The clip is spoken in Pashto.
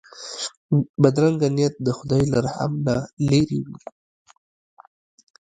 بدرنګه نیت د خدای له رحم نه لیرې وي